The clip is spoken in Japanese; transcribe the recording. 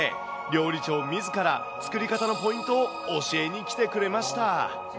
料理長みずから作り方のポイントを教えに来てくれました。